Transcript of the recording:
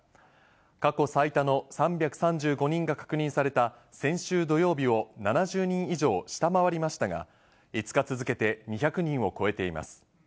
過去最多の３３５人が確認された先週土曜日を７０人以上下回りましたが、５日続けて２００人を超えています。